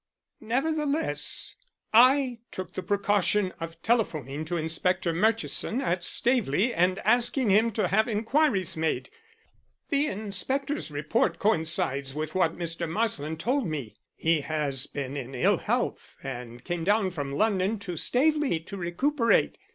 Nevertheless, I took the precaution of telephoning to Inspector Murchison at Staveley and asking him to have inquiries made. The inspector's report coincides with what Mr. Marsland told me. He has been in ill health and came down from London to Staveley to recuperate.